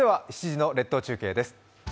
７時の列島中継です。